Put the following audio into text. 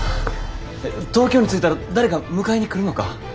東京に着いたら誰か迎えに来るのか？